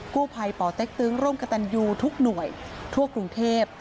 กู้ภัยป่อเต็กตึงร่วมกับตันยูทุกหน่วยทั่วกรุงเทพ